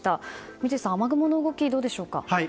三井さん、雨雲の動きどうでしょうか？